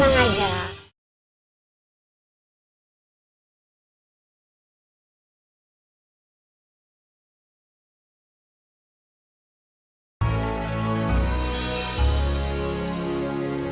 nih tenang aja